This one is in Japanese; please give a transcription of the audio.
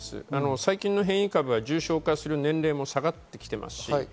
最近の変異株は重症化する年齢も下がってきています。